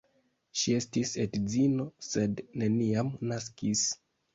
Ŝi estis edzino, sed neniam naskis.